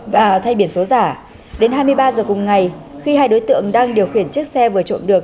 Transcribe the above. và thay biển số giả đến hai mươi ba giờ cùng ngày khi hai đối tượng đang điều khiển chiếc xe vừa trộm được